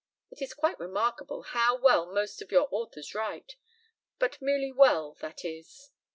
It is quite remarkable how well most of your authors write but merely well, that is.